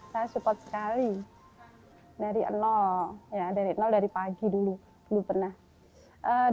saya support sekali dari nol dari pagi dulu dulu pernah